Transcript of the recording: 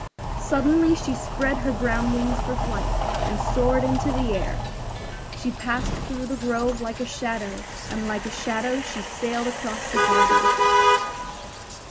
Suddenly she spread her brown wings for flight, and soared into the air. She passed through the grove like a shadow, and like a shadow she sailed across the garden.